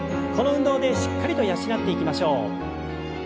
この運動でしっかりと養っていきましょう。